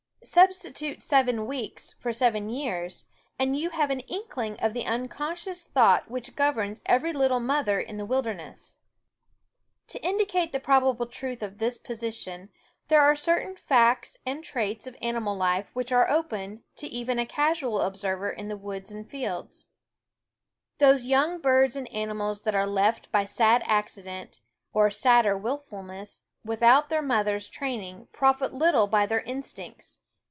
Substitute seven weeks for seven years, and you have an inkling of the unconscious thought which governs every little mother in the wilderness. To indicate the probable truth of this position, there are certain facts and traits of animal life which are open to even a casual observer in the woods and fields. THE WOODS Those young birds and animals that are *7 left by sad accident, or sadder willfulness, ', without their mothers' training profit little *^ SrhnoS by their instincts.